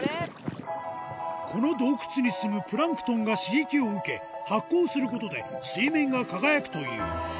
この洞窟に住むプランクトンが刺激を受け、発光することで、水面が輝くという。